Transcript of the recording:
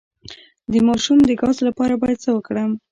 د ماشوم د ګاز لپاره باید څه وکړم؟